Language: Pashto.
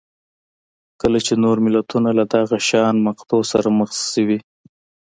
کله چې نور ملتونه له دغه شان مقطعو سره مخ شوي